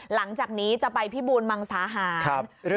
หลังจากนี้จะไปพิบูรมังสาหาร